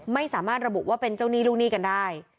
ไม่สามารถระบุว่าเป็นเจ้าหนี้ลูกหนี้กันได้